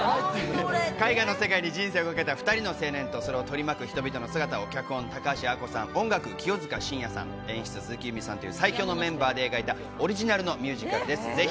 絵画の世界で人生をかけた２人の青年と、それを取り巻く人々の世界を、脚本・高橋亜子さん、音楽・清塚信也さん、演出・鈴木裕美さんという最強のタッグで迎えたオリジナルミュージカルです。